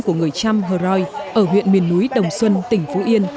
của người trâm hồ rồi ở huyện miền núi đồng xuân tỉnh phú yên